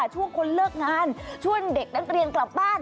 ช่วงคนเลิกงานช่วงเด็กนักเรียนกลับบ้าน